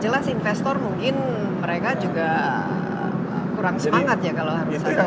jelas investor mungkin mereka juga kurang semangat ya kalau harus ada